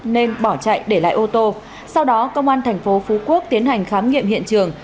nên bỏ chạy để lại ô tô sau đó công an thành phố phú quốc tiến hành khám nghiệm hiện trường